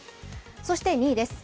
そして２位です。